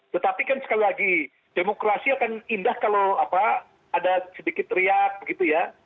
tetapi kan sekali lagi demokrasi akan indah kalau ada sedikit riak begitu ya